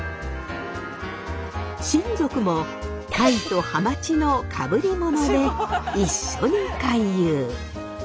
親族もタイとハマチのかぶりもので一緒に回遊。